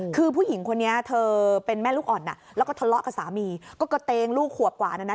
คือผู้หญิงคนนี้เธอเป็นแม่ลูกอ่อนแล้วก็ทะเลาะกับสามีก็กระเตงลูกขวบกว่านั้นนะ